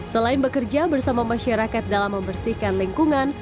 selain bekerja bersama masyarakat dalam membersihkan lingkungan